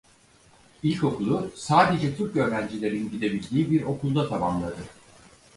İlkokulu sadece Türk öğrencilerin gidebildiği bir okulda tamamladı.